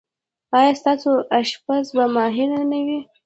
ایا ستاسو اشپز به ماهر نه وي؟